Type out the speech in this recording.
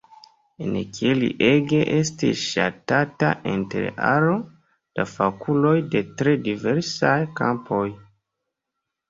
En Kiel li ege estis ŝatata inter aro da fakuloj de tre diversaj kampoj.